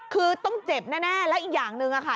คือต้องเจ็บแน่แล้วอีกอย่างหนึ่งค่ะ